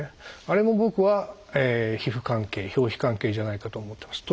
あれも僕は皮膚関係表皮関係じゃないかと思ってます。